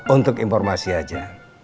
untuk informasi aja